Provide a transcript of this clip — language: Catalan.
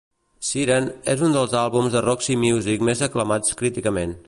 "Siren" és un dels àlbums de Roxy Music més aclamats críticament.